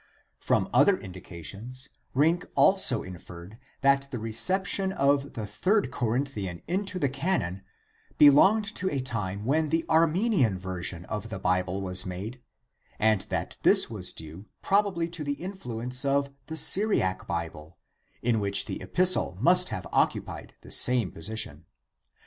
From other indications, Rinck also inferred that the reception of the third Corinthian into the Canon belonged to a time when the Armenian version of the Bible was made and that this was due probably to the influence of the Syriac Bible, in which the epistle must have occupied the same position.